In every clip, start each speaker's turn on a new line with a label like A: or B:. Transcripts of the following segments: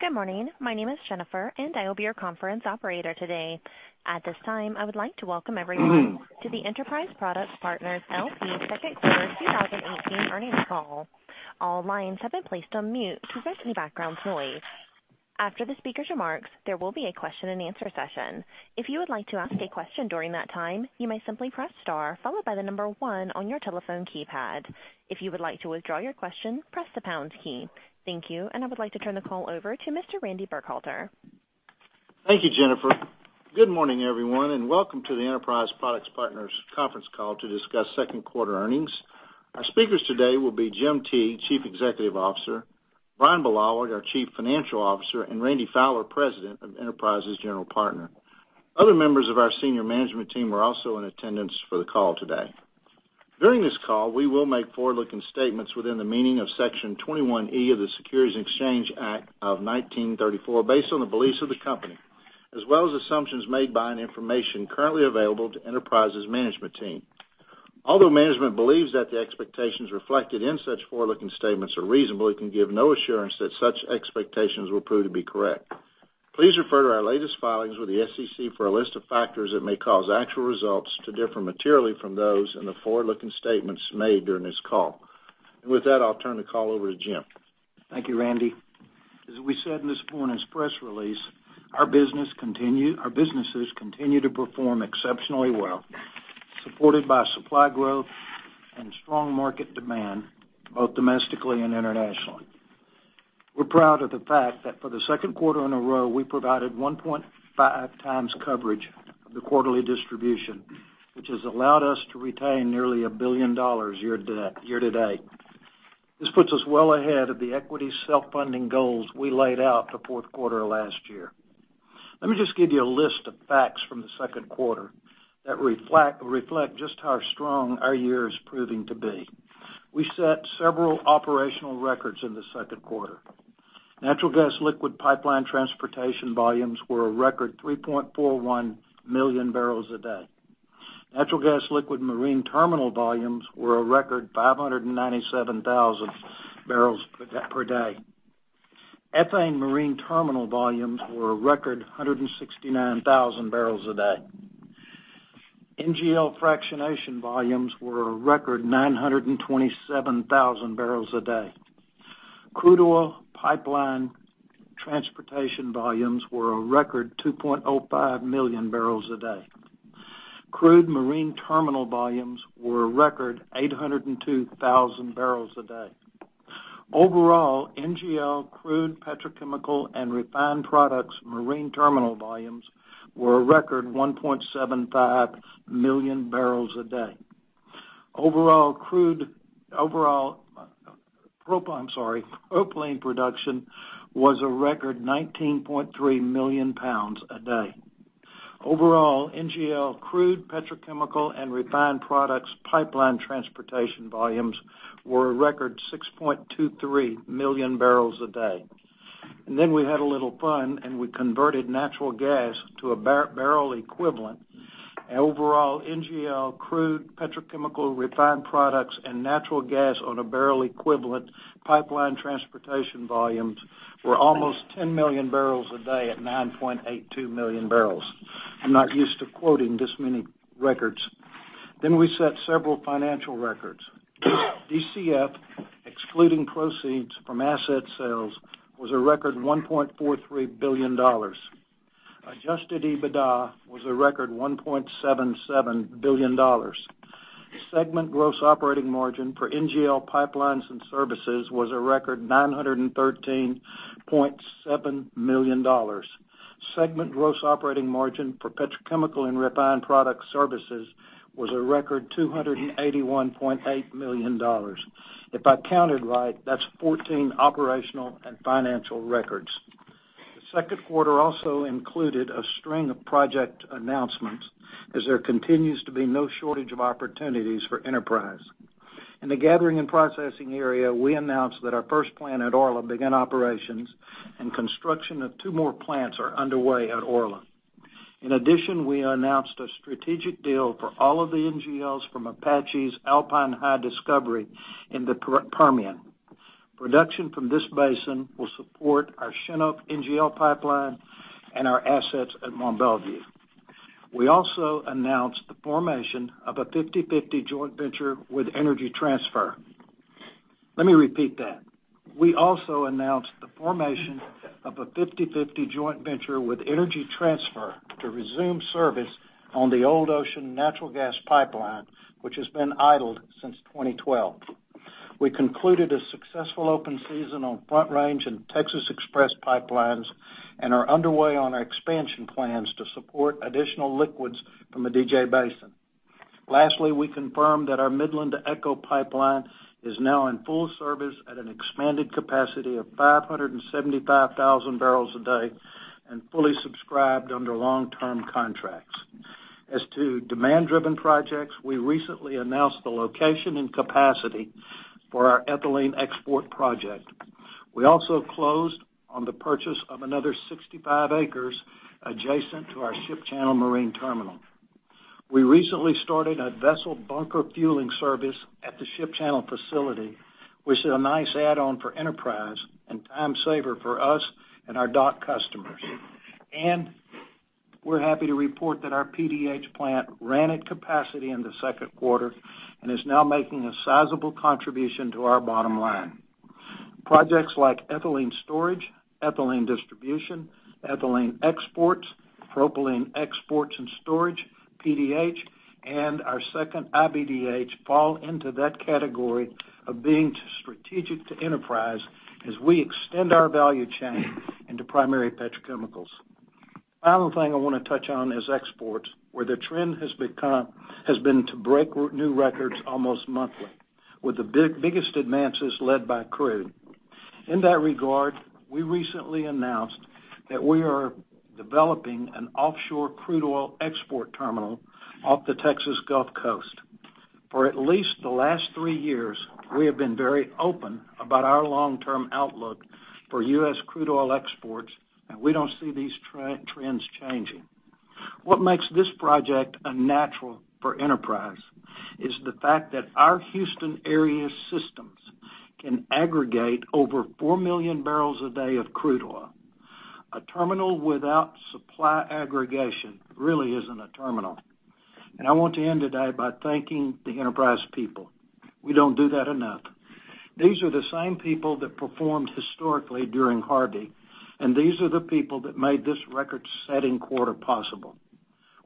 A: Good morning. My name is Jennifer. I will be your conference operator today. At this time, I would like to welcome everyone to the Enterprise Products Partners L.P. Second Quarter 2018 Earnings Call. All lines have been placed on mute to prevent any background noise. After the speaker's remarks, there will be a question and answer session. If you would like to ask a question during that time, you may simply press star, followed by the number one on your telephone keypad. If you would like to withdraw your question, press the pound key. Thank you. I would like to turn the call over to Mr. Randy Burkhalter.
B: Thank you, Jennifer. Good morning, everyone. Welcome to the Enterprise Products Partners conference call to discuss second-quarter earnings. Our speakers today will be Jim Teague, Chief Executive Officer, Bryan Bulawa, our Chief Financial Officer, Randy Fowler, President of Enterprise's General Partner. Other members of our senior management team are also in attendance for the call today. During this call, we will make forward-looking statements within the meaning of Section 21E of the Securities Exchange Act of 1934, based on the beliefs of the company, as well as assumptions made by and information currently available to Enterprise's management team. Although management believes that the expectations reflected in such forward-looking statements are reasonable, it can give no assurance that such expectations will prove to be correct. Please refer to our latest filings with the SEC for a list of factors that may cause actual results to differ materially from those in the forward-looking statements made during this call. With that, I'll turn the call over to Jim.
C: Thank you, Randy. As we said in this morning's press release, our businesses continue to perform exceptionally well, supported by supply growth and strong market demand, both domestically and internationally. We're proud of the fact that for the second quarter in a row, we provided 1.5 times coverage of the quarterly distribution, which has allowed us to retain nearly $1 billion year-to-date. This puts us well ahead of the equity self-funding goals we laid out the fourth quarter of last year. Let me just give you a list of facts from the second quarter that reflect just how strong our year is proving to be. We set several operational records in the second quarter. Natural gas liquid pipeline transportation volumes were a record 3.41 million barrels a day. Natural gas liquid marine terminal volumes were a record 597,000 barrels per day. Ethane marine terminal volumes were a record 169,000 barrels a day. NGL fractionation volumes were a record 927,000 barrels a day. Crude oil pipeline transportation volumes were a record 2.05 million barrels a day. Crude marine terminal volumes were a record 802,000 barrels a day. Overall, NGL crude petrochemical and refined products marine terminal volumes were a record 1.75 million barrels a day. Overall, propane production was a record 19.3 million pounds a day. Overall, NGL crude petrochemical and refined products pipeline transportation volumes were a record 6.23 million barrels a day. We had a little fun, and we converted natural gas to a barrel equivalent. Overall, NGL crude petrochemical refined products and natural gas on a barrel equivalent pipeline transportation volumes were almost 10 million barrels a day at 9.82 million barrels. I'm not used to quoting this many records. We set several financial records. DCF, excluding proceeds from asset sales, was a record $1.43 billion. Adjusted EBITDA was a record $1.77 billion. Segment gross operating margin for NGL pipelines and services was a record $913.7 million. Segment gross operating margin for petrochemical and refined product services was a record $281.8 million. If I counted right, that's 14 operational and financial records. The second quarter also included a string of project announcements, as there continues to be no shortage of opportunities for Enterprise. In the gathering and processing area, we announced that our first plant at Orla began operations and construction of two more plants are underway at Orla. In addition, we announced a strategic deal for all of the NGLs from Apache's Alpine High discovery in the Permian. Production from this basin will support our Shin Oak NGL Pipeline and our assets at Mont Belvieu. We also announced the formation of a 50-50 joint venture with Energy Transfer. Let me repeat that. We also announced the formation of a 50-50 joint venture with Energy Transfer to resume service on the Old Ocean natural gas pipeline, which has been idled since 2012. We concluded a successful open season on Front Range and Texas Express pipelines and are underway on our expansion plans to support additional liquids from the DJ Basin. Lastly, we confirmed that our Midland Echo Pipeline is now in full service at an expanded capacity of 575,000 barrels a day and fully subscribed under long-term contracts. As to demand-driven projects, we recently announced the location and capacity for our ethylene export project. We also closed on the purchase of another 65 acres adjacent to our Ship Channel Marine Terminal. We recently started a vessel bunker fueling service at the ship channel facility, which is a nice add-on for Enterprise and time saver for us and our dock customers. We're happy to report that our PDH plant ran at capacity in the second quarter, and is now making a sizable contribution to our bottom line. Projects like ethylene storage, ethylene distribution, ethylene exports, propylene exports and storage, PDH, and our second iBDH fall into that category of being strategic to Enterprise as we extend our value chain into primary petrochemicals. Final thing I want to touch on is exports, where the trend has been to break new records almost monthly, with the biggest advances led by crude. In that regard, we recently announced that we are developing an offshore crude oil export terminal off the Texas Gulf Coast. For at least the last three years, we have been very open about our long-term outlook for U.S. crude oil exports, and we don't see these trends changing. What makes this project a natural for Enterprise is the fact that our Houston area systems can aggregate over 4 million barrels a day of crude oil. A terminal without supply aggregation really isn't a terminal. I want to end today by thanking the Enterprise people. We don't do that enough. These are the same people that performed historically during Hurricane Harvey, and these are the people that made this record-setting quarter possible.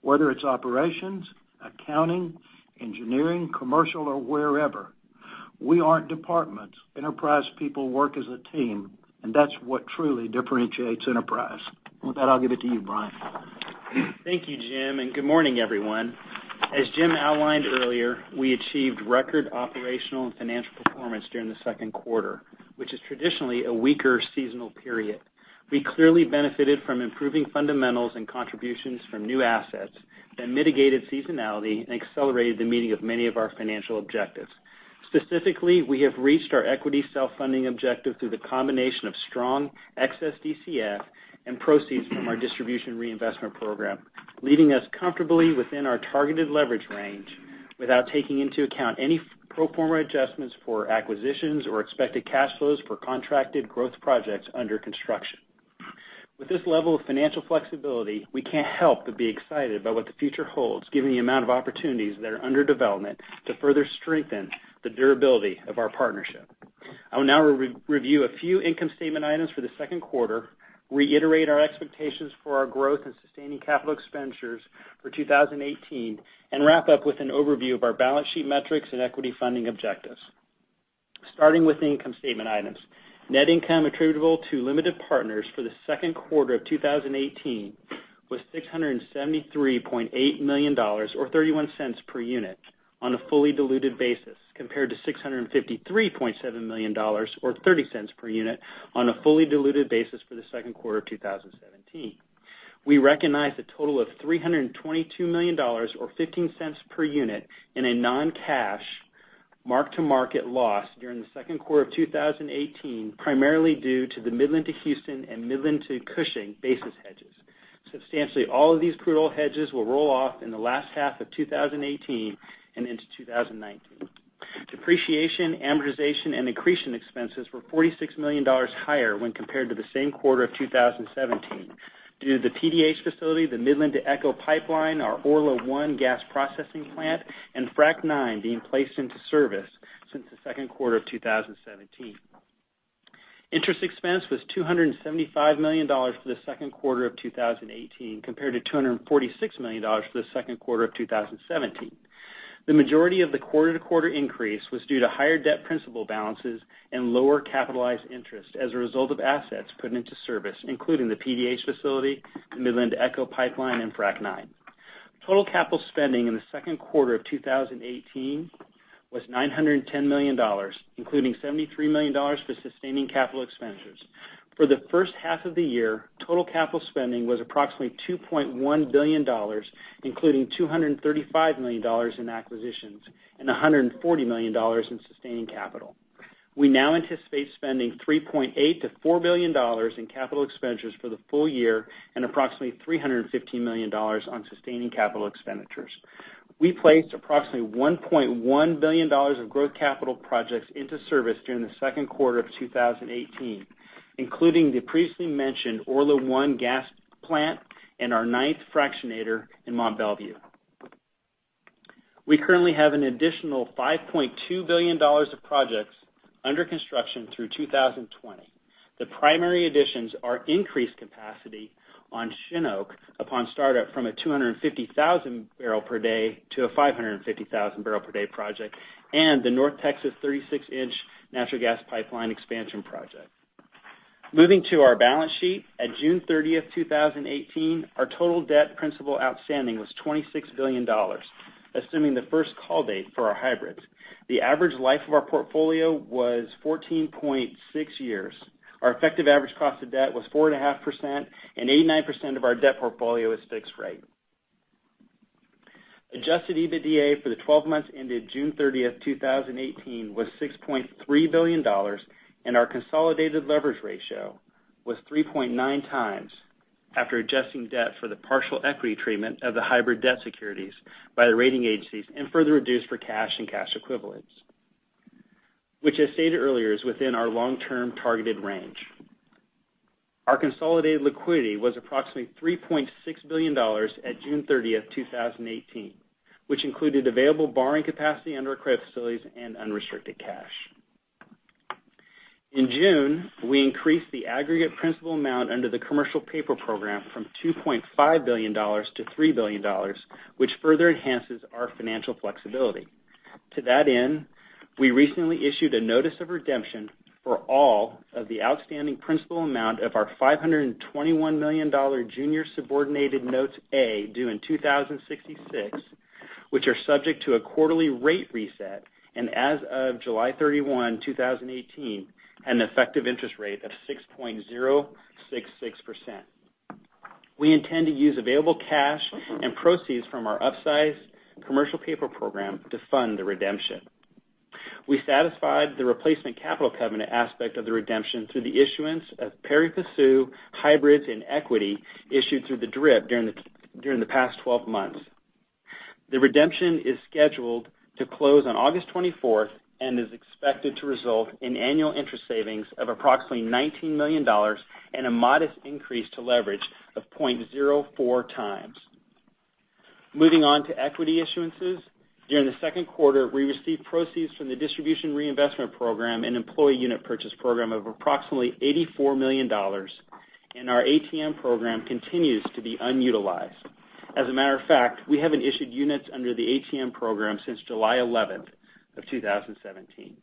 C: Whether it's operations, accounting, engineering, commercial, or wherever, we aren't departments. Enterprise people work as a team, and that's what truly differentiates Enterprise. With that, I'll give it to you, Bryan.
D: Thank you, Jim, and good morning, everyone. As Jim outlined earlier, we achieved record operational and financial performance during the second quarter, which is traditionally a weaker seasonal period. We clearly benefited from improving fundamentals and contributions from new assets that mitigated seasonality and accelerated the meeting of many of our financial objectives. Specifically, we have reached our equity self-funding objective through the combination of strong excess DCF and proceeds from our distribution reinvestment program, leaving us comfortably within our targeted leverage range without taking into account any pro forma adjustments for acquisitions or expected cash flows for contracted growth projects under construction. With this level of financial flexibility, we can't help but be excited about what the future holds, given the amount of opportunities that are under development to further strengthen the durability of our partnership. I will now review a few income statement items for the second quarter, reiterate our expectations for our growth and sustaining capital expenditures for 2018, and wrap up with an overview of our balance sheet metrics and equity funding objectives. Starting with the income statement items. Net income attributable to limited partners for the second quarter of 2018 was $673.8 million, or $0.31 per unit on a fully diluted basis, compared to $653.7 million or $0.30 per unit on a fully diluted basis for the second quarter of 2017. We recognized a total of $322 million, or $0.15 per unit in a non-cash mark-to-market loss during the second quarter of 2018, primarily due to the Midland to Houston and Midland to Cushing basis hedges. Substantially all of these crude oil hedges will roll off in the last half of 2018 and into 2019. Depreciation, amortization, and accretion expenses were $46 million higher when compared to the same quarter of 2017 due to the PDH facility, the Midland-to-ECHO pipeline, our Orla I gas processing plant, and Frac IX being placed into service since the second quarter of 2017. Interest expense was $275 million for the second quarter of 2018, compared to $246 million for the second quarter of 2017. The majority of the quarter-over-quarter increase was due to higher debt principal balances and lower capitalized interest as a result of assets put into service, including the PDH facility, the Midland-to-ECHO Pipeline, and Frac IX. Total capital spending in the second quarter of 2018 was $910 million, including $73 million for sustaining capital expenditures. For the first half of the year, total capital spending was approximately $2.1 billion, including $235 million in acquisitions and $140 million in sustaining capital. We now anticipate spending $3.8 billion to $4 billion in capital expenditures for the full year and approximately $315 million on sustaining capital expenditures. We placed approximately $1.1 billion of growth capital projects into service during the second quarter of 2018, including the previously mentioned Orla I gas plant and our ninth fractionator in Mont Belvieu. We currently have an additional $5.2 billion of projects under construction through 2020. The primary additions are increased capacity on Shin Oak upon startup from a 250,000 barrel per day to a 550,000 barrel per day project, and the North Texas 36-inch natural gas pipeline expansion project. Moving to our balance sheet, at June 30, 2018, our total debt principal outstanding was $26 billion. Assuming the first call date for our hybrids, the average life of our portfolio was 14.6 years. Our effective average cost of debt was 4.5%. 89% of our debt portfolio is fixed rate. Adjusted EBITDA for the 12 months ended June 30, 2018, was $6.3 billion, and our consolidated leverage ratio was 3.9 times after adjusting debt for the partial equity treatment of the hybrid debt securities by the rating agencies and further reduced for cash and cash equivalents, which I stated earlier is within our long-term targeted range. Our consolidated liquidity was approximately $3.6 billion at June 30, 2018, which included available borrowing capacity under our credit facilities and unrestricted cash. In June, we increased the aggregate principal amount under the commercial paper program from $2.5 billion to $3 billion, which further enhances our financial flexibility. To that end, we recently issued a notice of redemption for all of the outstanding principal amount of our $521 million Junior Subordinated Notes A, due in 2066, which are subject to a quarterly rate reset, and as of July 31, 2018, an effective interest rate of 6.066%. We intend to use available cash and proceeds from our upsized commercial paper program to fund the redemption. We satisfied the replacement capital covenant aspect of the redemption through the issuance of pari-passu hybrids and equity issued through the DRIP during the past 12 months. The redemption is scheduled to close on August 24 and is expected to result in annual interest savings of approximately $19 million and a modest increase to leverage of 0.04 times. Moving on to equity issuances. During the second quarter, we received proceeds from the distribution reinvestment program and employee unit purchase program of approximately $84 million. Our ATM program continues to be unutilized. As a matter of fact, we haven't issued units under the ATM program since July 11, 2017.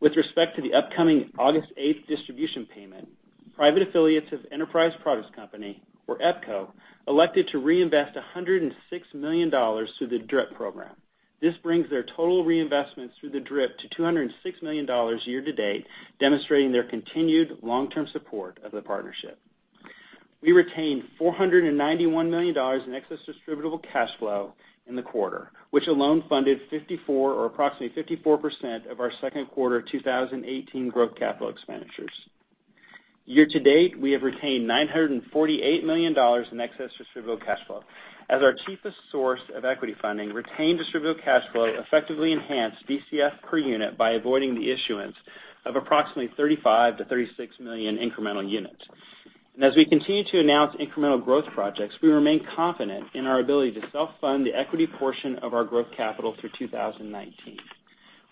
D: With respect to the upcoming August 8 distribution payment, private affiliates of Enterprise Products Company, or EPCO, elected to reinvest $106 million through the DRIP program. This brings their total reinvestments through the DRIP to $206 million year to date, demonstrating their continued long-term support of the partnership. We retained $491 million in excess distributable cash flow in the quarter, which alone funded 54 or approximately 54% of our second quarter 2018 growth capital expenditures. Year to date, we have retained $948 million in excess distributable cash flow. As our cheapest source of equity funding, retained distributable cash flow effectively enhanced DCF per unit by avoiding the issuance of approximately 35 million-36 million incremental units. As we continue to announce incremental growth projects, we remain confident in our ability to self-fund the equity portion of our growth capital through 2019.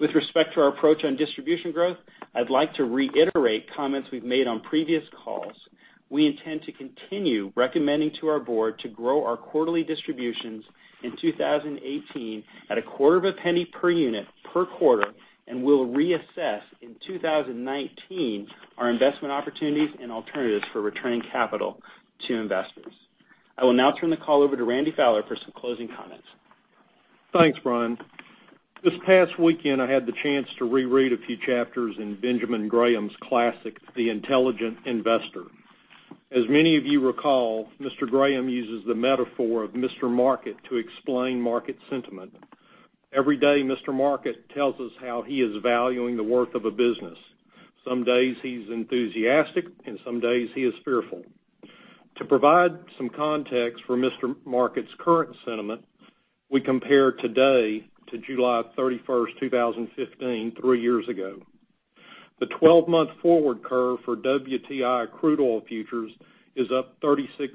D: With respect to our approach on distribution growth, I'd like to reiterate comments we've made on previous calls. We intend to continue recommending to our board to grow our quarterly distributions in 2018 at a quarter of a penny per unit per quarter, and we'll reassess in 2019 our investment opportunities and alternatives for returning capital to investors. I will now turn the call over to Randy Fowler for some closing comments.
E: Thanks, Bryan. This past weekend, I had the chance to reread a few chapters in Benjamin Graham's classic, "The Intelligent Investor." As many of you recall, Mr. Graham uses the metaphor of Mr. Market to explain market sentiment. Every day, Mr. Market tells us how he is valuing the worth of a business. Some days he's enthusiastic, and some days he is fearful. To provide some context for Mr. Market's current sentiment, we compare today to July 31st, 2015, three years ago. The 12-month forward curve for WTI crude oil futures is up 32%.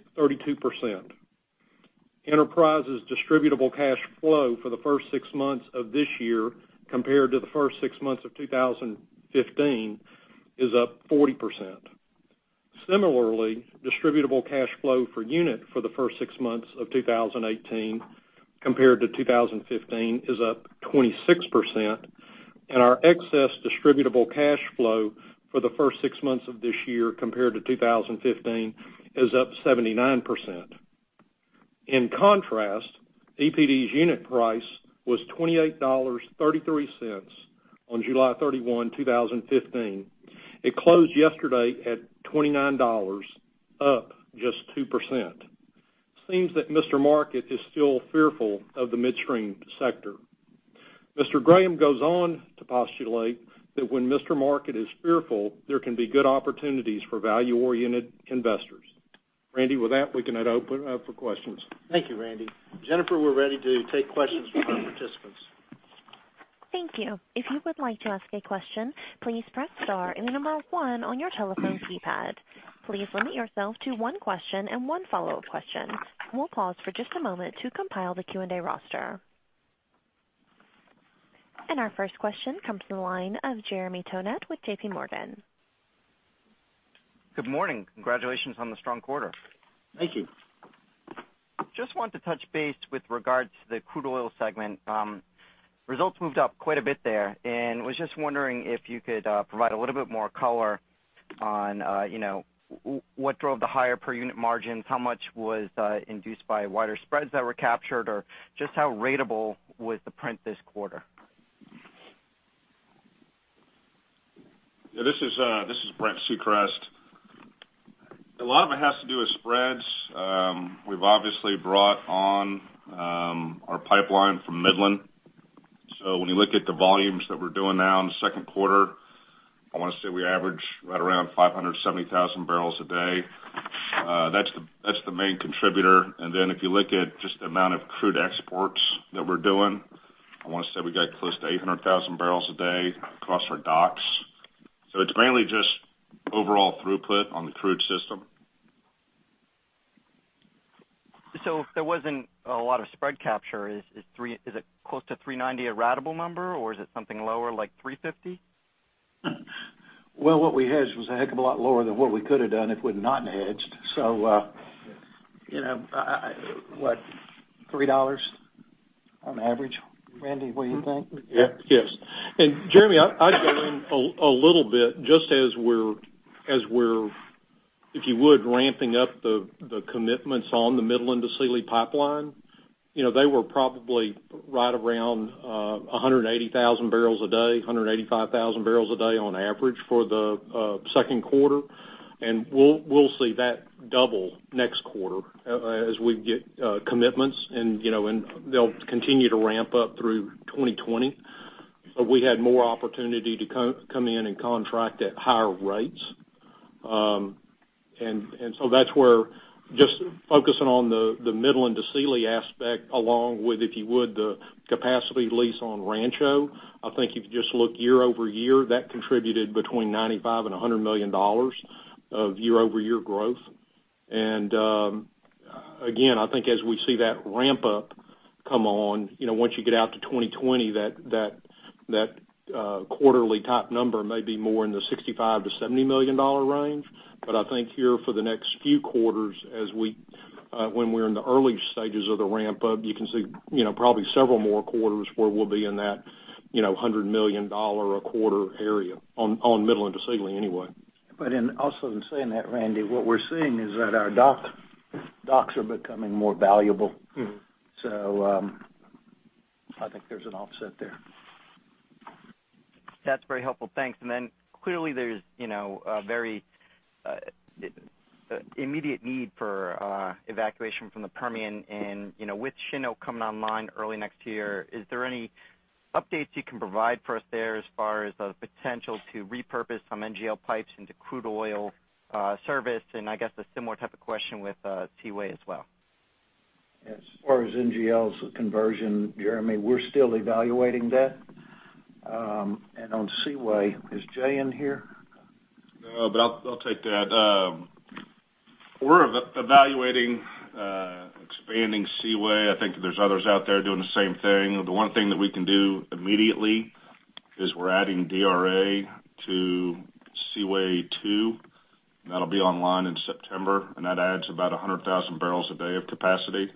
E: Enterprise's distributable cash flow for the first six months of this year compared to the first six months of 2015 is up 40%. Similarly, distributable cash flow per unit for the first six months of 2018 compared to 2015 is up 26%, and our excess distributable cash flow for the first six months of this year compared to 2015 is up 79%. In contrast, EPD's unit price was $28.33 on July 31, 2015. It closed yesterday at $29, up just 2%. Seems that Mr. Market is still fearful of the midstream sector. Mr. Graham goes on to postulate that when Mr. Market is fearful, there can be good opportunities for value-oriented investors. Randy, with that, we can now open up for questions.
B: Thank you, Randy. Jennifer, we're ready to take questions from our participants.
A: Thank you. If you would like to ask a question, please press star and the number one on your telephone keypad. Please limit yourself to one question and one follow-up question. We'll pause for just a moment to compile the Q&A roster. Our first question comes from the line of Jeremy Tonet with JPMorgan.
F: Good morning. Congratulations on the strong quarter.
D: Thank you.
F: Just wanted to touch base with regards to the crude oil segment. Results moved up quite a bit there. Was just wondering if you could provide a little bit more color on what drove the higher per unit margins, how much was induced by wider spreads that were captured, or just how ratable was the print this quarter?
G: Yeah, this is Brent Secrest. A lot of it has to do with spreads. We've obviously brought on our pipeline from Midland. When you look at the volumes that we're doing now in the second quarter, I want to say we average right around 570,000 barrels a day. That's the main contributor. If you look at just the amount of crude exports that we're doing, I want to say we got close to 800,000 barrels a day across our docks. It's mainly just overall throughput on the crude system.
F: If there wasn't a lot of spread capture, is it close to $390 a ratable number or is it something lower, like $350?
C: Well, what we hedged was a heck of a lot lower than what we could have done if we'd not hedged. What, $3 on average, Randy, what do you think?
E: Yeah.
F: Yes.
E: Jeremy, I'd go in a little bit, just as we're, if you would, ramping up the commitments on the Midland-to-Sealy Pipeline. They were probably right around 180,000 barrels a day, 185,000 barrels a day on average for the second quarter. We'll see that double next quarter as we get commitments, and they'll continue to ramp up through 2020. We had more opportunity to come in and contract at higher rates. That's where, just focusing on the Midland-to-Sealy aspect along with, if you would, the capacity lease on Rancho. I think if you just look year-over-year, that contributed between $95 million and $100 million of year-over-year growth. Again, I think as we see that ramp up come on, once you get out to 2020, that quarterly top number may be more in the $65 million to $70 million range. I think here for the next few quarters, when we're in the early stages of the ramp up, you can see probably several more quarters where we'll be in that $100 million a quarter area on Midland-to-Sealy anyway.
C: In also in saying that, Randy, what we're seeing is that our docks are becoming more valuable. I think there's an offset there.
F: That's very helpful. Thanks. Clearly there's a very immediate need for evacuation from the Permian. With Shin Oak coming online early next year, is there any updates you can provide for us there as far as the potential to repurpose some NGL pipes into crude oil service? I guess a similar type of question with Seaway as well.
C: Yes. As far as NGL conversion, Jeremy, we're still evaluating that. On Seaway, is Jay in here?
E: No, I'll take that. We're evaluating expanding Seaway. I think that there's others out there doing the same thing. The one thing that we can do immediately is we're adding DRA to Seaway 2, That'll be online in September, That adds about 100,000 barrels a day of capacity.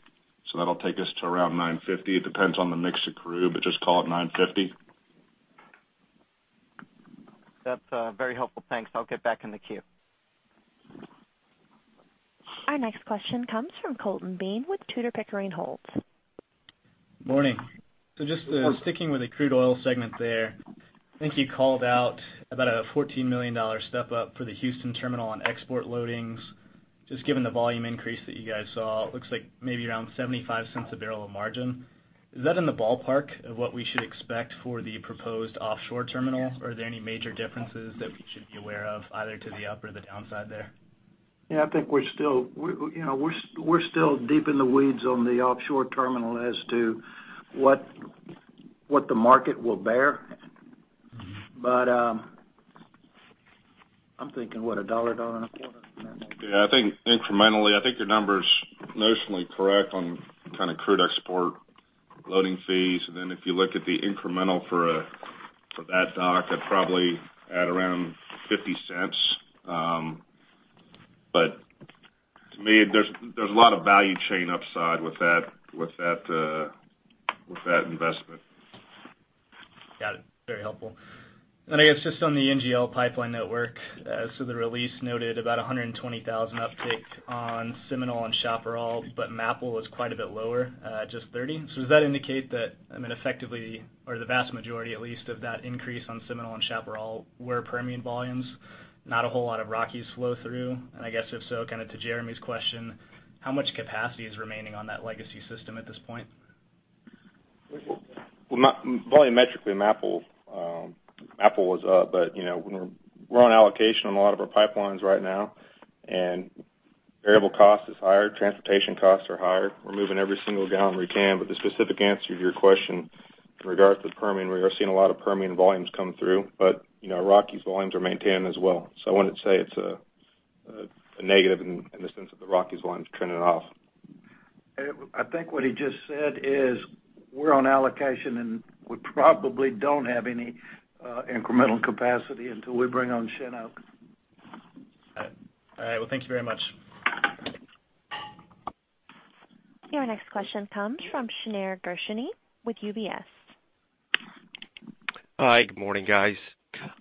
E: That'll take us to around 950. It depends on the mix of crude, just call it 950.
F: That's very helpful. Thanks. I'll get back in the queue.
A: Our next question comes from Colton Bean with Tudor, Pickering, Holt.
H: Morning.
C: Good morning.
H: Sticking with the crude oil segment there, I think you called out about a $14 million step up for the Houston terminal on export loadings. Given the volume increase that you guys saw, it looks like maybe around $0.75 a barrel of margin. Is that in the ballpark of what we should expect for the proposed offshore terminal? Are there any major differences that we should be aware of, either to the up or the downside there?
C: I think we're still deep in the weeds on the offshore terminal as to what the market will bear. I'm thinking, what, a dollar and a quarter incremental?
E: I think incrementally, I think your number's notionally correct on kind of crude export loading fees. If you look at the incremental for that dock, I'd probably add around $0.50. To me, there's a lot of value chain upside with that investment.
H: Got it. Very helpful. I guess just on the NGL pipeline network, the release noted about 120,000 uptick on Seminole and Chaparral, MAPL was quite a bit lower at just 30. Does that indicate that, effectively or the vast majority at least of that increase on Seminole and Chaparral were Permian volumes, not a whole lot of Rockies flow through? I guess if so, kind of to Jeremy's question, how much capacity is remaining on that legacy system at this point?
E: Well, volumetrically MAPL was up, we're on allocation on a lot of our pipelines right now, variable cost is higher, transportation costs are higher. We're moving every single gallon we can, the specific answer to your question in regards to the Permian, we are seeing a lot of Permian volumes come through. Rockies volumes are maintained as well. I wouldn't say it's a negative in the sense that the Rockies volume's turning off.
C: I think what he just said is we're on allocation, and we probably don't have any incremental capacity until we bring on Shin Oak.
H: All right. Thank you very much.
A: Your next question comes from Shneur Gershuni with UBS.
I: Hi, good morning, guys.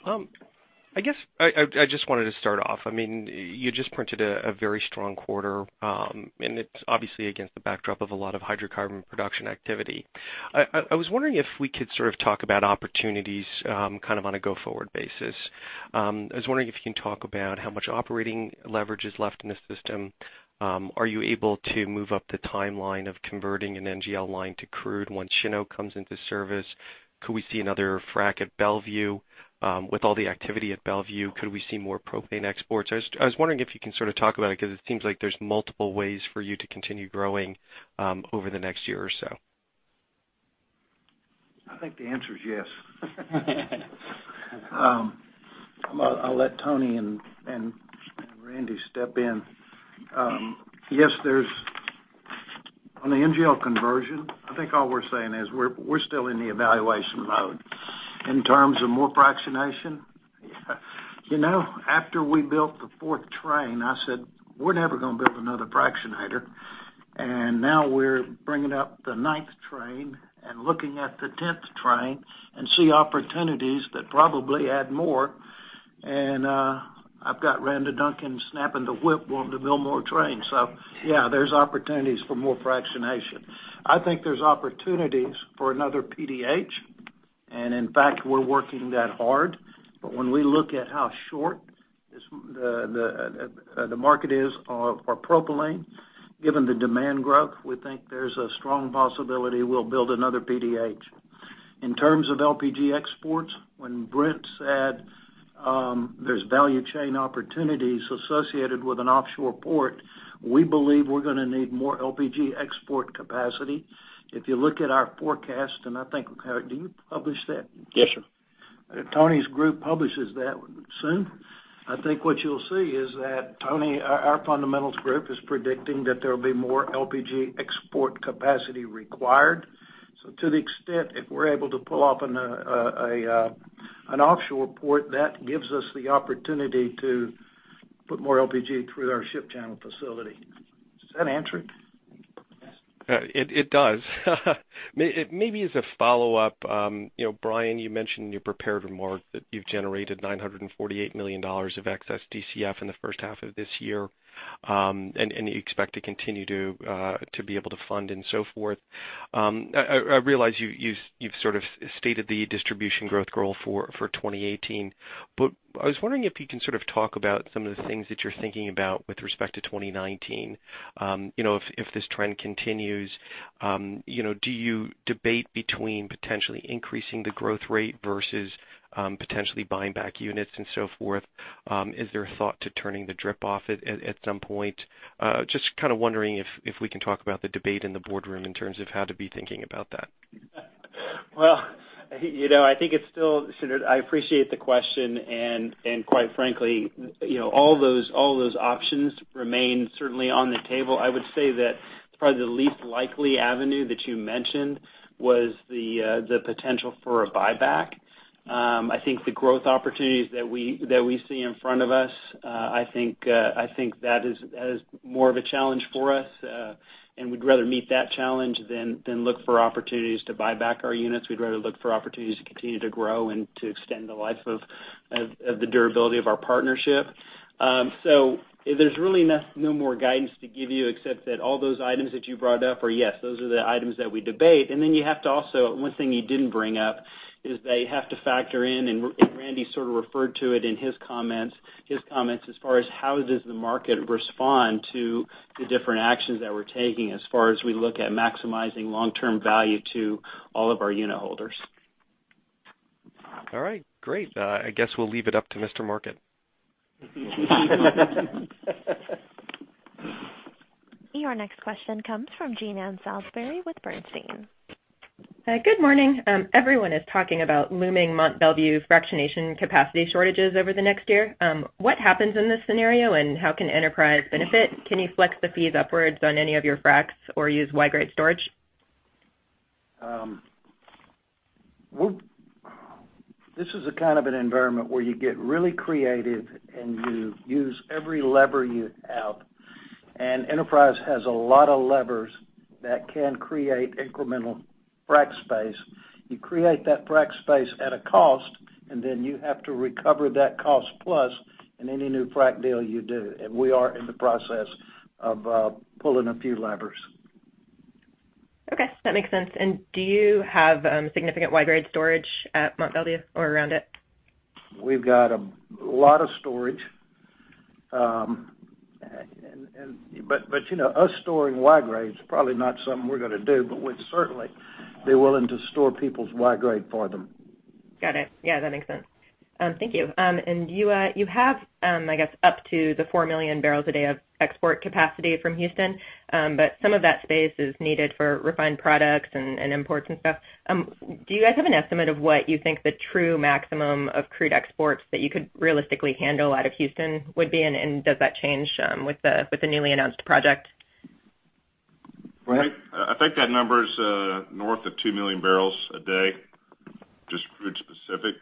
I: I guess I just wanted to start off. You just printed a very strong quarter, and it's obviously against the backdrop of a lot of hydrocarbon production activity. I was wondering if we could sort of talk about opportunities kind of on a go-forward basis. I was wondering if you can talk about how much operating leverage is left in the system. Are you able to move up the timeline of converting an NGL line to crude once Cheniere comes into service? Could we see another frac at Mont Belvieu? With all the activity at Mont Belvieu, could we see more propane exports? I was wondering if you can sort of talk about it, because it seems like there's multiple ways for you to continue growing over the next year or so.
C: I think the answer is yes. I'll let Tony and Randy step in. Yes, on the NGL conversion, I think all we're saying is we're still in the evaluation mode. In terms of more fractionation, after we built the 4th train, I said, "We're never going to build another fractionator." Now we're bringing up the 9th train and looking at the 10th train, and see opportunities that probably add more. I've got Randa Duncan snapping the whip, wanting to build more trains. Yeah, there's opportunities for more fractionation. I think there's opportunities for another PDH, and in fact, we're working that hard. When we look at how short the market is for propylene, given the demand growth, we think there's a strong possibility we'll build another PDH. In terms of LPG exports, when Brent said there's value chain opportunities associated with an offshore port, we believe we're going to need more LPG export capacity. If you look at our forecast, do you publish that?
D: Yes, sir.
C: Tony's group publishes that one soon. I think what you'll see is that our fundamentals group is predicting that there'll be more LPG export capacity required. To the extent, if we're able to pull off an offshore port, that gives us the opportunity to put more LPG through our ship channel facility. Does that answer it?
I: It does. Maybe as a follow-up, Bryan, you mentioned in your prepared remarks that you've generated $948 million of excess DCF in the first half of this year, and you expect to continue to be able to fund and so forth. I realize you've sort of stated the distribution growth goal for 2018. I was wondering if you can sort of talk about some of the things that you're thinking about with respect to 2019. If this trend continues, do you debate between potentially increasing the growth rate versus potentially buying back units and so forth? Is there a thought to turning the DRIP off at some point? Just kind of wondering if we can talk about the debate in the boardroom in terms of how to be thinking about that.
D: Well, I appreciate the question. Quite frankly, all those options remain certainly on the table. I would say that probably the least likely avenue that you mentioned was the potential for a buyback. I think the growth opportunities that we see in front of us, I think that is more of a challenge for us. We'd rather meet that challenge than look for opportunities to buy back our units. We'd rather look for opportunities to continue to grow and to extend the life of the durability of our partnership. There's really no more guidance to give you, except that all those items that you brought up are, yes, those are the items that we debate. One thing you didn't bring up is that you have to factor in. Randy sort of referred to it in his comments as far as how does the market respond to the different actions that we're taking as far as we look at maximizing long-term value to all of our unit holders.
I: All right. Great. I guess we'll leave it up to Mr. Market.
A: Your next question comes from Jean Ann Salisbury with Bernstein.
J: Hi. Good morning. Everyone is talking about looming Mont Belvieu fractionation capacity shortages over the next year. What happens in this scenario, and how can Enterprise benefit? Can you flex the fees upwards on any of your fracs or use Y-grade storage?
C: This is a kind of an environment where you get really creative, you use every lever you have, Enterprise has a lot of levers that can create incremental frac space. You create that frac space at a cost, then you have to recover that cost plus in any new frac deal you do. We are in the process of pulling a few levers.
J: Okay. That makes sense. Do you have significant Y-grade storage at Mont Belvieu or around it?
C: We've got a lot of storage. Us storing Y-grade is probably not something we're going to do, but we'd certainly be willing to store people's Y-grade for them.
J: Got it. Yeah, that makes sense. Thank you. You have, I guess, up to the 4 million barrels a day of export capacity from Houston. Some of that space is needed for refined products and imports and stuff. Do you guys have an estimate of what you think the true maximum of crude exports that you could realistically handle out of Houston would be, and does that change with the newly announced project?
C: Brent?
G: I think that number's north of 2 million barrels a day, just crude specific.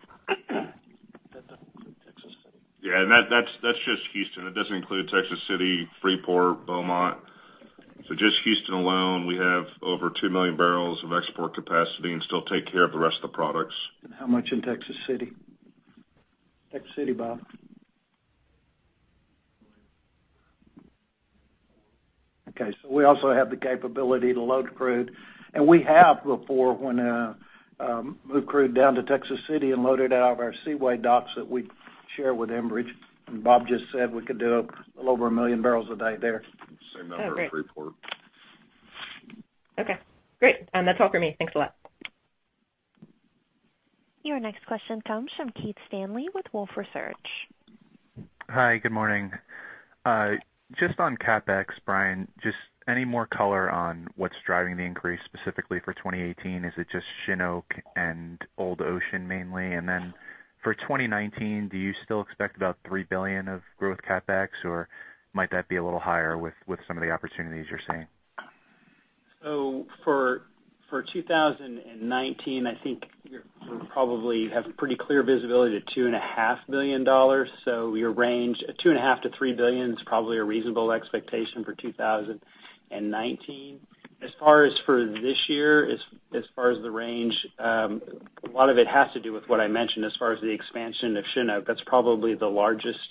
G: Yeah. That's just Houston. It doesn't include Texas City, Freeport, Beaumont. Just Houston alone, we have over 2 million barrels of export capacity and still take care of the rest of the products.
C: How much in Texas City? Texas City, Bob.
K: A million.
C: We also have the capability to load the crude. We have before, when moved crude down to Texas City and loaded it out of our Seaway docks that we share with Enbridge. Bob just said we could do a little over 1 million barrels a day there.
G: Same number at Freeport.
J: Oh, great. Okay, great. That's all for me. Thanks a lot.
A: Your next question comes from Keith Stanley with Wolfe Research.
L: Hi, good morning. Just on CapEx, Bryan, just any more color on what's driving the increase specifically for 2018? Is it just Shin Oak and Old Ocean mainly? Then for 2019, do you still expect about $3 billion of growth CapEx, or might that be a little higher with some of the opportunities you're seeing?
D: For 2019, I think we probably have pretty clear visibility to $2.5 billion. Your range, $2.5 billion-$3 billion is probably a reasonable expectation for 2019. As far as for this year, as far as the range, a lot of it has to do with what I mentioned as far as the expansion of Shin Oak. That's probably the largest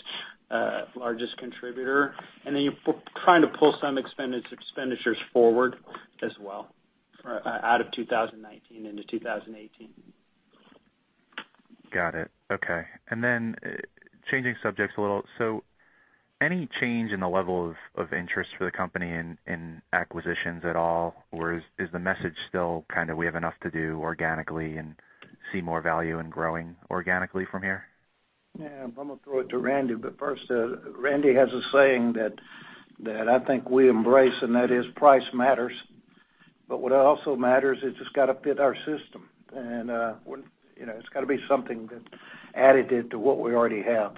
D: contributor. Then we're trying to pull some expenditures forward as well out of 2019 into 2018.
L: Got it. Okay. Then changing subjects a little. Any change in the level of interest for the company in acquisitions at all? Is the message still kind of, we have enough to do organically and see more value in growing organically from here?
C: Yeah. I'm going to throw it to Randy, but first, Randy has a saying that I think we embrace, and that is, "Price matters." What also matters is it's got to fit our system. It's got to be something that's additive to what we already have.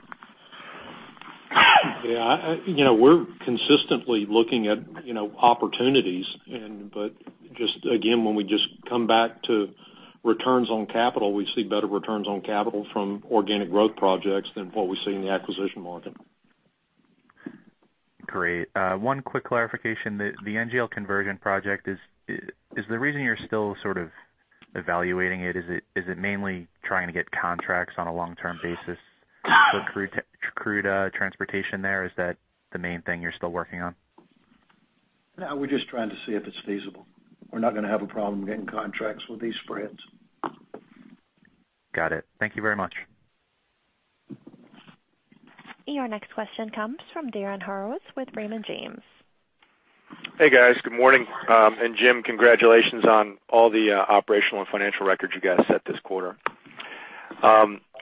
E: Yeah. We're consistently looking at opportunities, but just again, when we just come back to returns on capital, we see better returns on capital from organic growth projects than what we see in the acquisition market.
L: Great. One quick clarification. The NGL conversion project, is the reason you're still sort of evaluating it, is it mainly trying to get contracts on a long-term basis for crude transportation there? Is that the main thing you're still working on?
C: No, we're just trying to see if it's feasible. We're not going to have a problem getting contracts with these spreads.
L: Got it. Thank you very much.
A: Your next question comes from Darren Harroz with Raymond James.
M: Hey, guys. Good morning. Jim, congratulations on all the operational and financial records you guys set this quarter.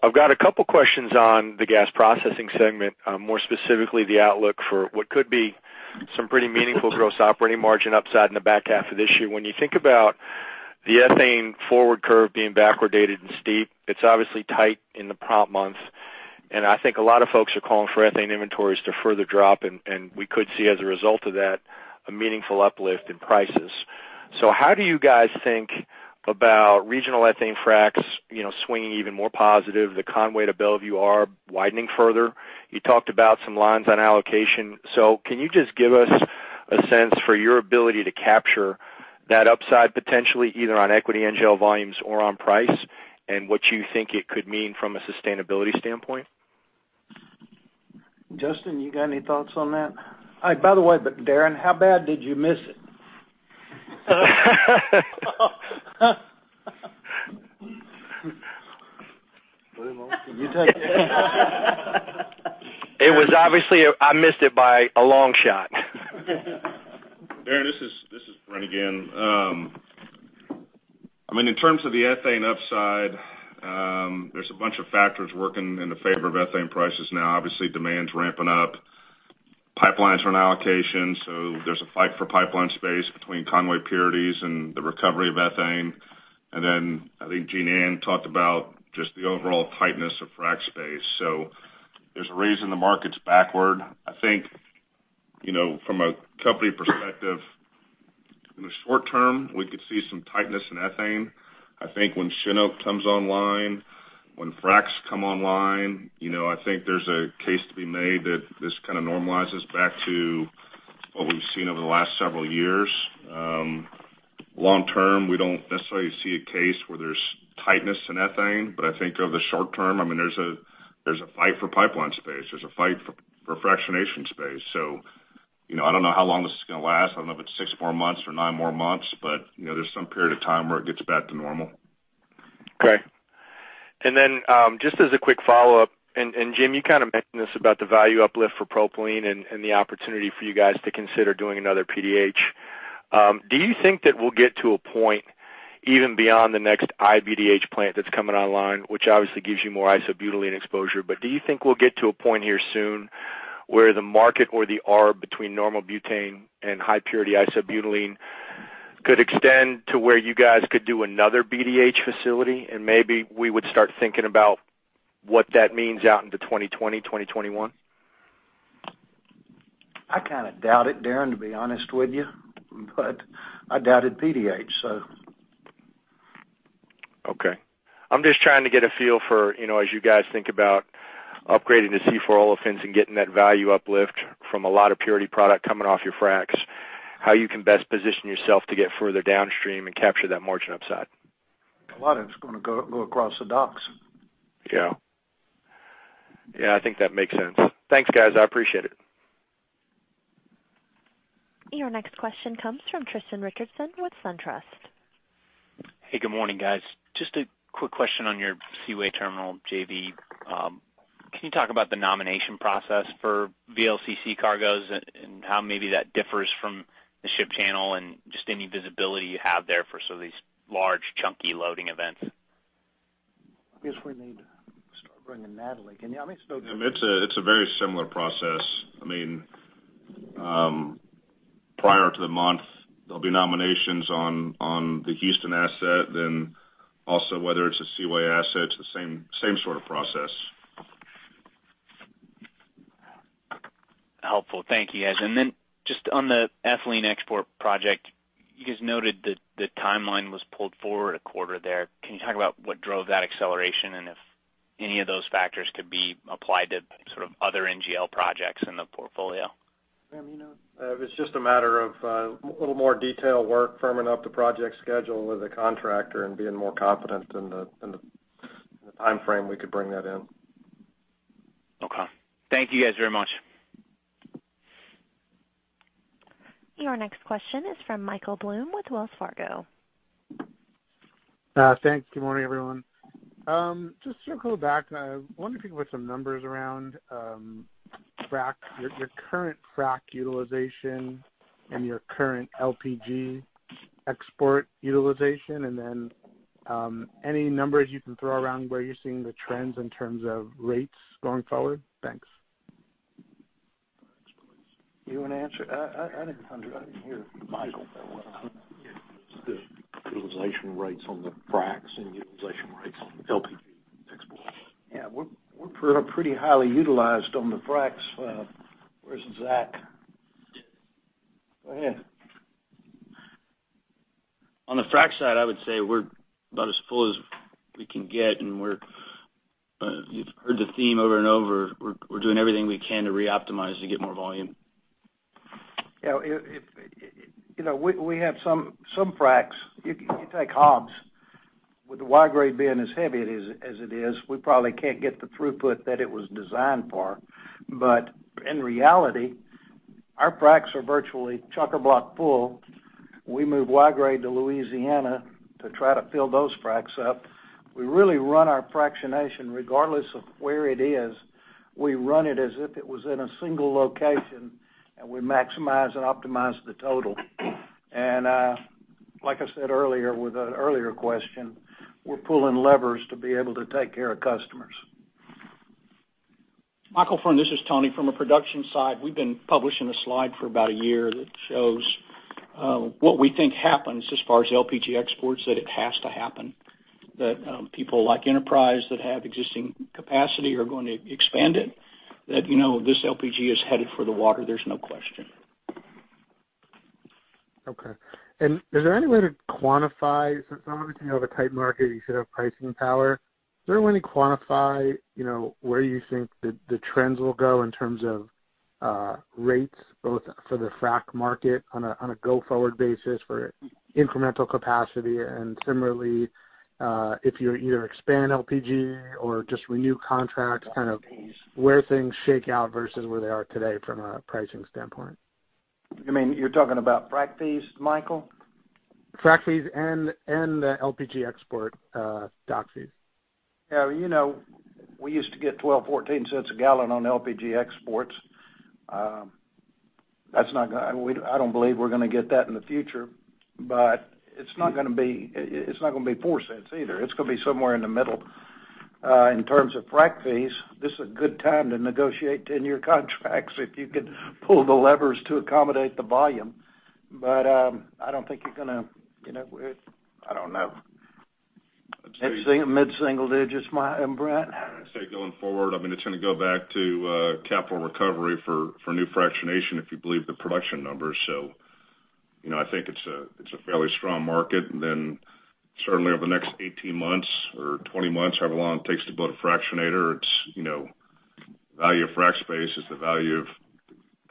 M: I've got a couple questions on the gas processing segment, more specifically, the outlook for what could be some pretty meaningful gross operating margin upside in the back half of this year. When you think about the ethane forward curve being backward and steep, it's obviously tight in the prompt months, and I think a lot of folks are calling for ethane inventories to further drop, and we could see, as a result of that, a meaningful uplift in prices. How do you guys think about regional ethane fracs swinging even more positive, the Conway to Belvieu arb widening further? You talked about some lines on allocation. Can you just give us a sense for your ability to capture that upside potentially, either on equity NGL volumes or on price, and what you think it could mean from a sustainability standpoint?
C: Justin, you got any thoughts on that? By the way, Darren, how bad did you miss it? Ramon, can you take it?
M: It was obviously, I missed it by a long shot.
G: Darren, this is Brent again. In terms of the ethane upside, there's a bunch of factors working in the favor of ethane prices now. Obviously, demand's ramping up. Pipelines are on allocation, so there's a fight for pipeline space between Conway purities and the recovery of ethane. I think Jean Ann talked about just the overall tightness of frac space. There's a reason the market's backward. I think from a company perspective, in the short term, we could see some tightness in ethane. I think when Shin Oak comes online, when fracs come online, I think there's a case to be made that this kind of normalizes back to what we've seen over the last several years. Long term, we don't necessarily see a case where there's tightness in ethane, but I think over the short term, there's a fight for pipeline space. There's a fight for fractionation space. I don't know how long this is going to last. I don't know if it's six more months or nine more months, but there's some period of time where it gets back to normal.
M: Okay. Then, just as a quick follow-up, Jim, you kind of mentioned this about the value uplift for propylene and the opportunity for you guys to consider doing another PDH. Do you think that we'll get to a point even beyond the next iBDH plant that's coming online, which obviously gives you more isobutylene exposure, but do you think we'll get to a point here soon where the market or the arb between normal butane and high-purity isobutylene could extend to where you guys could do another iBDH facility, and maybe we would start thinking about what that means out into 2020, 2021?
C: I kind of doubt it, Darren, to be honest with you. I doubted PDH.
M: Okay. I'm just trying to get a feel for, as you guys think about upgrading to C4 olefins and getting that value uplift from a lot of purity product coming off your fracs, how you can best position yourself to get further downstream and capture that margin upside.
C: A lot of it's going to go across the docks.
M: Yeah. I think that makes sense. Thanks, guys. I appreciate it.
A: Your next question comes from Tristan Richardson with SunTrust.
N: Hey, good morning, guys. Just a quick question on your Seaway Terminal JV. Can you talk about the nomination process for VLCC cargoes and how maybe that differs from the ship channel and just any visibility you have there for some of these large chunky loading events?
C: I guess we need to start bringing Natalie.
G: It's a very similar process. Prior to the month, there'll be nominations on the Houston asset, whether it's a Seaway asset, it's the same sort of process.
N: Helpful. Thank you, guys. Just on the ethylene export project, you guys noted that the timeline was pulled forward a quarter there. Can you talk about what drove that acceleration, and if any of those factors could be applied to sort of other NGL projects in the portfolio?
C: Sam, you know?
O: It's just a matter of a little more detail work firming up the project schedule with a contractor and being more confident in the timeframe we could bring that in.
N: Okay. Thank you guys very much.
A: Your next question is from Michael Blum with Wells Fargo.
P: Thanks. Good morning, everyone. Just circling back, I was wondering if you can put some numbers around your current frac utilization and your current LPG export utilization, and then any numbers you can throw around where you're seeing the trends in terms of rates going forward? Thanks.
C: Frac splits. You want to answer? I didn't hear Michael that well.
G: The utilization rates on the fracs and utilization rates on LPG exports.
C: Yeah, we're pretty highly utilized on the fracs. Where's Zach? Go ahead.
O: On the frac side, I would say we're about as full as we can get. You've heard the theme over and over. We're doing everything we can to re-optimize to get more volume.
C: Yeah. We have some fracs. You take Hobbs, with the Y-grade being as heavy as it is, we probably can't get the throughput that it was designed for. In reality, our fracs are virtually chock-a-block full. We move Y-grade to Louisiana to try to fill those fracs up. We really run our fractionation regardless of where it is. We run it as if it was in a single location, and we maximize and optimize the total. Like I said earlier, with an earlier question, we're pulling levers to be able to take care of customers.
Q: Michael, this is Tony. From a production side, we've been publishing a slide for about a year that shows what we think happens as far as LPG exports, that it has to happen. That people like Enterprise that have existing capacity are going to expand it, that this LPG is headed for the water. There's no question.
P: Okay. Is there any way to quantify since obviously you have a tight market, you should have pricing power. Is there any way to quantify where you think the trends will go in terms of rates, both for the frac market on a go-forward basis for incremental capacity and similarly, if you either expand LPG or just renew contracts, kind of where things shake out versus where they are today from a pricing standpoint?
C: You mean, you're talking about frac fees, Michael?
P: Frac fees the LPG export dock fees.
C: We used to get $0.12, $0.14 a gallon on LPG exports. I don't believe we're going to get that in the future, but it's not going to be $0.04 either. It's going to be somewhere in the middle. In terms of frac fees, this is a good time to negotiate 10-year contracts if you can pull the levers to accommodate the volume. I don't think I don't know. Mid-single digits, Brent?
G: I'd say going forward, it's going to go back to capital recovery for new fractionation if you believe the production numbers. I think it's a fairly strong market. Certainly over the next 18 months or 20 months, however long it takes to build a fractionator, the value of frac space is the value of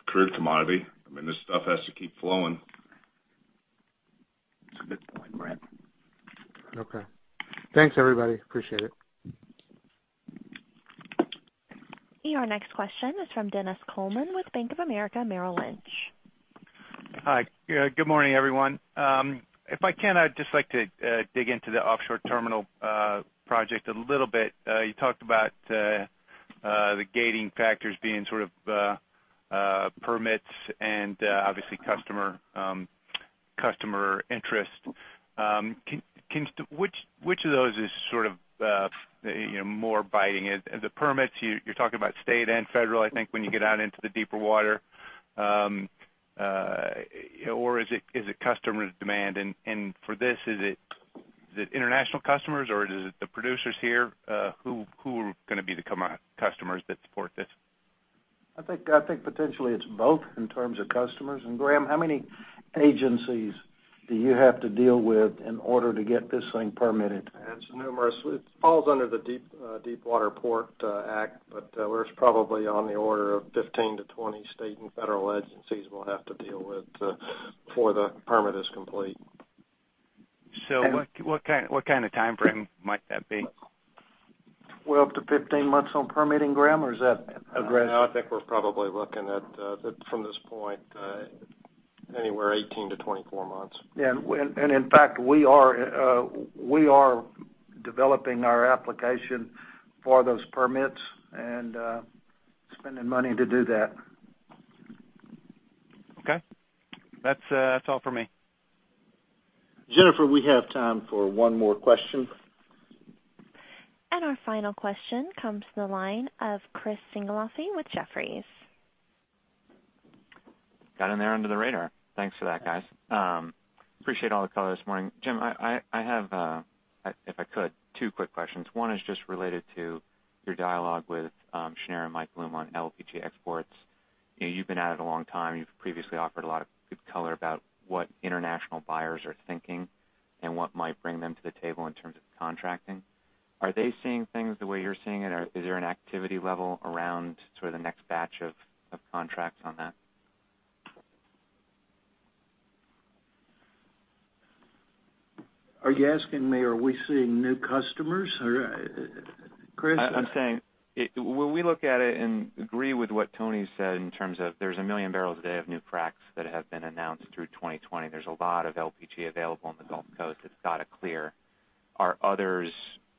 G: crude commodity. This stuff has to keep flowing.
C: That's a good point, Brent.
P: Okay. Thanks, everybody. Appreciate it.
A: Your next question is from Dennis Coleman with Bank of America Merrill Lynch.
R: Hi. Good morning, everyone. If I can, I'd just like to dig into the offshore terminal project a little bit. You talked about the gating factors being sort of permits and obviously customer interest. Which of those is sort of more biting? The permits, you're talking about state and federal, I think, when you get out into the deeper water. Or is it customer demand? For this, Is it international customers or is it the producers here? Who are going to be the customers that support this?
C: I think potentially it's both in terms of customers. Graham, how many agencies do you have to deal with in order to get this thing permitted?
S: It's numerous. It falls under the Deepwater Port Act, There's probably on the order of 15 to 20 state and federal agencies we'll have to deal with before the permit is complete.
R: What kind of timeframe might that be?
C: 12 to 15 months on permitting, Graham?
S: No, I think we're probably looking at, from this point, anywhere 18 to 24 months.
C: Yeah. In fact, we are developing our application for those permits and spending money to do that.
R: Okay. That's all for me.
C: Jennifer, we have time for one more question.
A: Our final question comes to the line of Chris Sighinolfi with Jefferies.
T: Got in there under the radar. Thanks for that, guys. Appreciate all the color this morning. Jim, I have, if I could, two quick questions. One is just related to your dialogue with Shneur and Michael Blum on LPG exports. You've been at it a long time. You've previously offered a lot of good color about what international buyers are thinking and what might bring them to the table in terms of contracting. Are they seeing things the way you're seeing it? Is there an activity level around sort of the next batch of contracts on that?
C: Are you asking me, are we seeing new customers, Chris?
T: I'm saying, when we look at it and agree with what Tony said in terms of there's 1 million barrels a day of new fracs that have been announced through 2020. There's a lot of LPG available on the Gulf Coast that's got to clear. Are others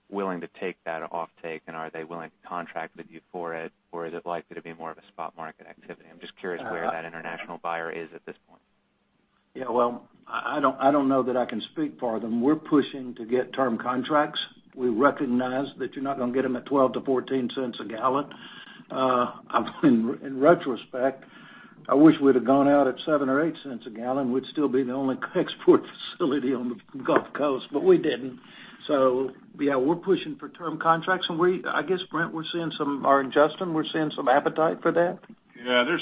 T: willing to take that offtake, and are they willing to contract with you for it? Is it likely to be more of a spot market activity? I'm just curious where that international buyer is at this point.
C: Yeah. Well, I don't know that I can speak for them. We're pushing to get term contracts. We recognize that you're not going to get them at $0.12 to $0.14 a gallon. In retrospect, I wish we'd have gone out at $0.07 or $0.08 a gallon. We'd still be the only export facility on the Gulf Coast, but we didn't. Yeah, we're pushing for term contracts, and I guess, Brent or Justin, we're seeing some appetite for that?
G: Yeah.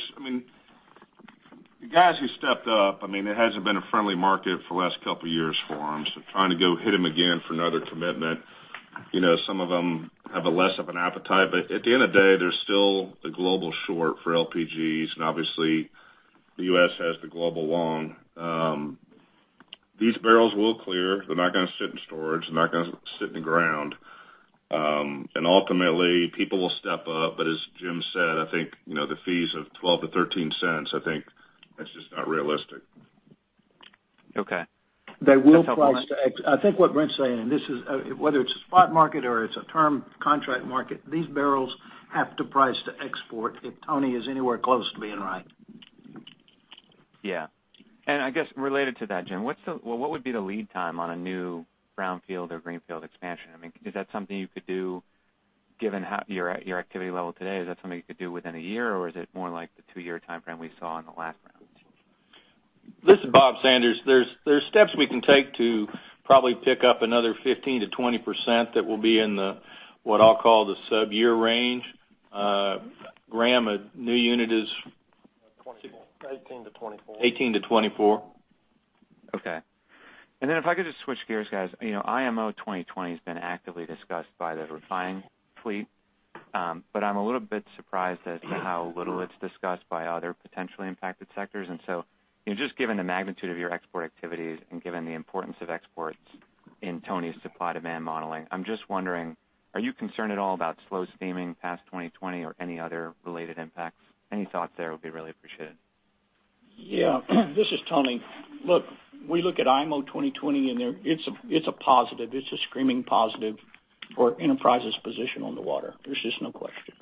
G: The guys who stepped up, it hasn't been a friendly market for the last couple of years for them. Trying to go hit them again for another commitment, some of them have a less of an appetite. At the end of the day, there's still a global short for LPGs. Obviously the U.S. has the global long. These barrels will clear. They're not going to sit in storage. They're not going to sit in the ground. Ultimately, people will step up. As Jim said, I think, the fees of $0.12 to $0.13, I think that's just not realistic.
T: Okay. That's helpful. Thanks.
C: I think what Brent's saying, and this is whether it's a spot market or it's a term contract market, these barrels have to price to export if Tony is anywhere close to being right.
T: Yeah. I guess related to that, Jim, what would be the lead time on a new brownfield or greenfield expansion? Is that something you could do given your activity level today? Is that something you could do within a year, or is it more like the two-year timeframe we saw in the last round?
K: This is Bob Sanders. There's steps we can take to probably pick up another 15%-20% that will be in the, what I'll call the sub-year range. Graham, a new unit is?
S: 18 to 24.
K: 18 to 24.
T: Okay. If I could just switch gears, guys. IMO 2020 has been actively discussed by the refining fleet. I'm a little bit surprised as to how little it's discussed by other potentially impacted sectors. Just given the magnitude of your export activities and given the importance of exports in Tony's supply-demand modeling, I'm just wondering, are you concerned at all about slow steaming past 2020 or any other related impacts? Any thoughts there would be really appreciated.
Q: Yeah. This is Tony. Look, we look at IMO 2020. It's a positive. It's a screaming positive for Enterprise's position on the water. There's just no question.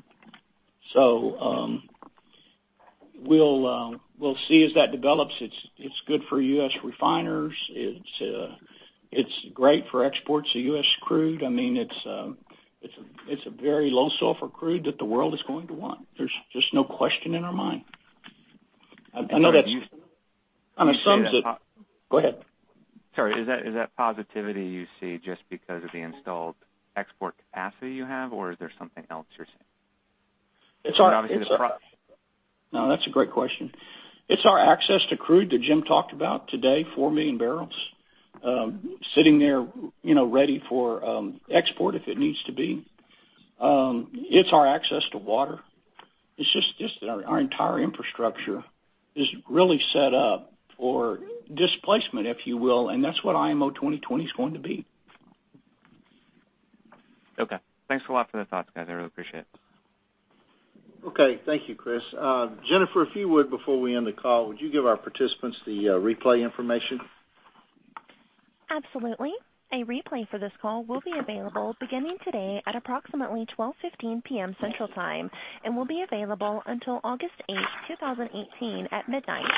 Q: We'll see as that develops. It's good for U.S. refiners. It's great for exports of U.S. crude. It's a very low sulfur crude that the world is going to want. There's just no question in our mind. I know that kind of. Go ahead.
T: Sorry. Is that positivity you see just because of the installed export capacity you have, or is there something else you're seeing?
Q: No, that's a great question. It's our access to crude that Jim talked about today, four million barrels sitting there ready for export if it needs to be. It's our access to water. It's just our entire infrastructure is really set up for displacement, if you will, and that's what IMO 2020's going to be.
T: Okay. Thanks a lot for the thoughts, guys. I really appreciate it.
C: Okay. Thank you, Chris. Jennifer, if you would, before we end the call, would you give our participants the replay information?
A: Absolutely. A replay for this call will be available beginning today at approximately 12:15 PM Central Time and will be available until August 8th, 2018, at midnight.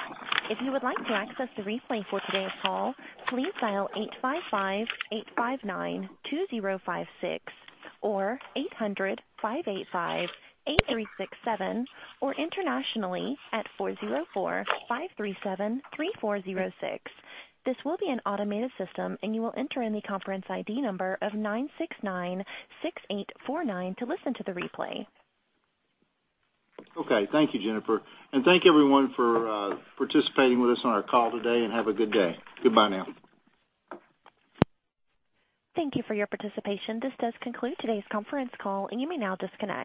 A: If you would like to access the replay for today's call, please dial 855-859-2056 or 800-585-8367 or internationally at 404-537-3406. This will be an automated system, and you will enter in the conference ID number of 9696849 to listen to the replay.
C: Okay. Thank you, Jennifer. Thank you everyone for participating with us on our call today, and have a good day. Goodbye now.
A: Thank you for your participation. This does conclude today's conference call, and you may now disconnect.